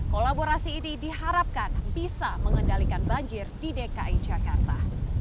kolaborasi ini diharapkan bisa mengendalikan banjir di dki jakarta